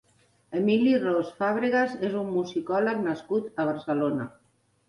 Emili Ros-Fàbregas és un musicòleg nascut a Barcelona.